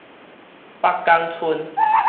北港村